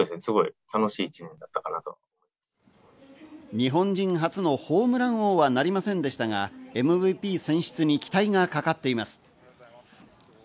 日本人初のホームラン王はなりませんでしたが、ＭＶＰ選出に期待がかかっています。